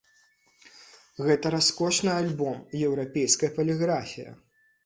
Гэта раскошны альбом, еўрапейская паліграфія.